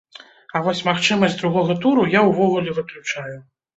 А вось магчымасць другога туру я ўвогуле выключаю.